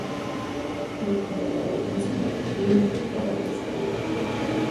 Nyt meillä oli ensimmäinen lemmikkiavaruusolio.